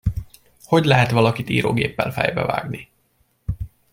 Hogy lehet valakit írógéppel fejbe vágni?